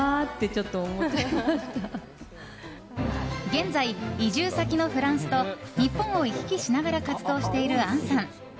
現在、移住先のフランスと日本を行き来しながら活動している杏さん。